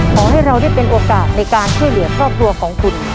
ขอให้เราได้เป็นโอกาสในการช่วยเหลือครอบครัวของคุณ